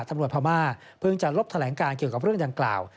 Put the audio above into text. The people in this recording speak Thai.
พม่าเพิ่งจะลบแถลงการเกี่ยวกับเรื่องดังกล่าว